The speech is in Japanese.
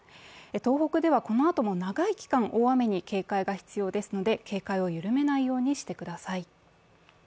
東北ではこのあとも長い期間、大雨に警戒が必要ですので警戒を緩めないようにしてください。